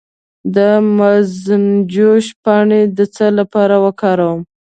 د مرزنجوش پاڼې د څه لپاره وکاروم؟